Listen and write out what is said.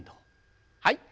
はい。